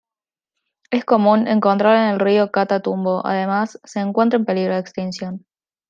Es común encontrarla en el río Catatumbo, además se encuentra en peligro de extinción.